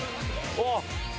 あっ！